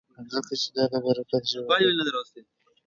ځکه چې دا د برکت ژبه ده.